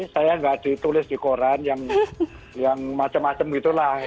saya nggak ditulis di koran yang macam macam gitu lah